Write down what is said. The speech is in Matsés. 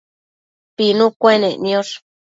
pinu cuenec niosh